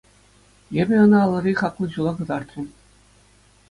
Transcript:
Эпӗ ӑна алӑри хаклӑ чула кӑтартрӑм.